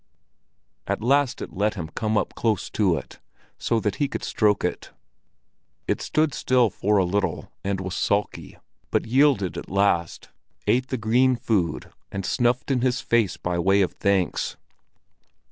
At last it let him come close up to it, so that he could stroke it. It stood still for a little and was sulky, but yielded at last, ate the green food and snuffed in his face by way of thanks.